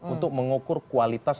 untuk mengukur kualitas